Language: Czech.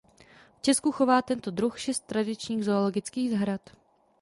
V Česku chová tento druh šest tradičních zoologických zahrad.